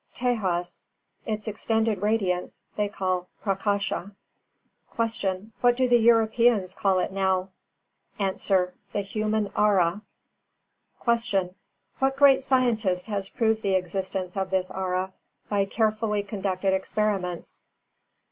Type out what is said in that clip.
Tejas; its extended radiance they call Prākāsha. 344. Q. What do Europeans call it now? A. The human aura. 345. Q. _What great scientist has proved the existence of this aura by carefully conducted experiments?